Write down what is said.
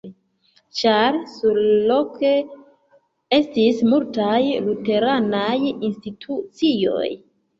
Ĉar surloke estis multaj luteranaj institucioj.